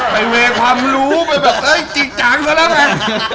ไปเวคความรู้แบบเอ้ยจริงจังทเร็วแล้วแม่